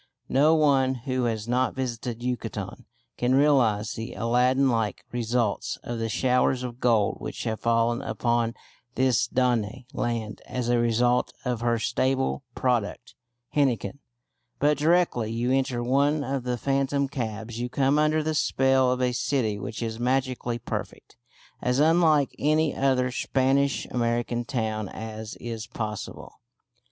No one who has not visited Yucatan can realise the Aladdin like results of the showers of gold which have fallen upon this Danaë land as a result of her staple product, henequen; but directly you enter one of the phantom cabs you come under the spell of a city which is magically perfect; as unlike any other Spanish American town as is possible.